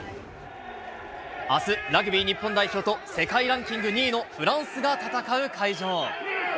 あす、ラグビー日本代表と、世界ランキング２位のフランスが戦う会場。